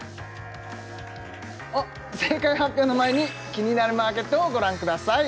あっ正解発表の前に「キニナルマーケット」をご覧ください